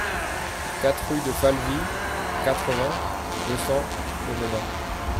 quatre rue de Falvy, quatre-vingts, deux cents, Ennemain